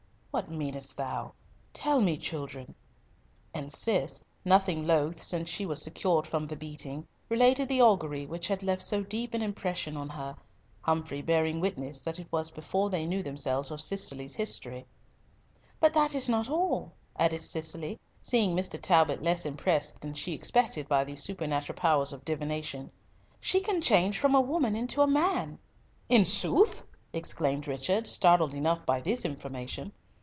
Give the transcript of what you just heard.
"What mean'st thou? Tell me, children;" and Cis, nothing loath, since she was secured from the beating, related the augury which had left so deep an impression on her, Humfrey bearing witness that it was before they knew themselves of Cicely's history. "But that is not all," added Cicely, seeing Mr. Talbot less impressed than she expected by these supernatural powers of divination. "She can change from a woman to a man!" "In sooth!" exclaimed Richard, startled enough by this information.